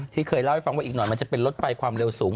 เคยเล่าให้ฟังว่าอีกหน่อยมันจะเป็นรถไฟความเร็วสูง